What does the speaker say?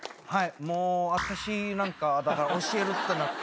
もう私なんかだから教えるってなって。